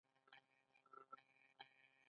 کار کول روغتیا ته ګټه رسوي.